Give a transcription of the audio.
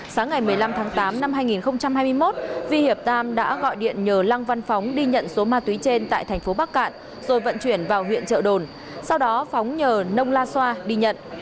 sáng ngày một mươi năm tháng tám năm hai nghìn hai mươi một vi hiệp tam đã gọi điện nhờ lăng văn phóng đi nhận số ma túy trên tại thành phố bắc cạn rồi vận chuyển vào huyện trợ đồn sau đó phóng nhờ nông la xoa đi nhận